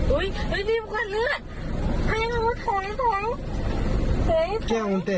อุ้ยดีกว่าเลือด